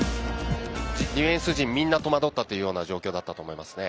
ディフェンス陣みんな戸惑ったような状況だったと思いますね。